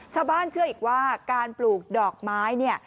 ชาวบ้านเชื่ออีกว่าการปลูกดอกไม้